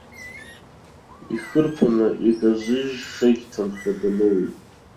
Ихырԥаны иказыжьшагь ҭынха дамоуит!